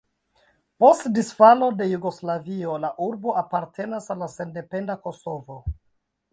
Post disfalo de Jugoslavio la urbo apartenas al sendependa Kosovo.